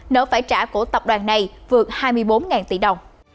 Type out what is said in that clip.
nợ phải trả của tập đoàn này vượt hai mươi bốn tỷ đồng